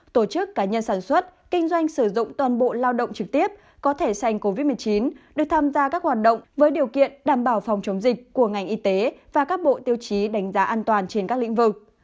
tổ chức cá nhân sản xuất kinh doanh sử dụng toàn bộ lao động trực tiếp có thể sành covid một mươi chín được tham gia các hoạt động với điều kiện đảm bảo phòng chống dịch của ngành y tế và các bộ tiêu chí đánh giá an toàn trên các lĩnh vực